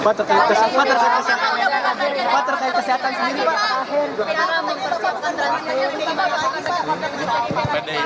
pak terkait kesehatan sendiri pak